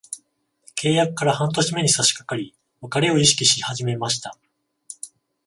契約から半年目に差しかかり、別れを意識し始めました。